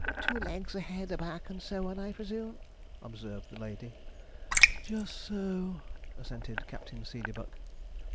'Two legs, a head, a back, and so on, I presume,' observed the lady. 'Just so,' assented Captain Seedeybuck.